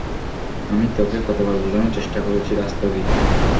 আমি তোকে কতোবার বুঝানোর চেষ্টা করেছি, রাস্তোগি।